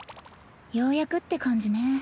ようやくって感じね。